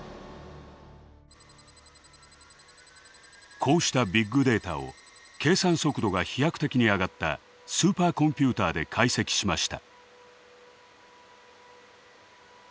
こうしたビッグデータを計算速度が飛躍的に上がったスーパーコンピューターで解析しました。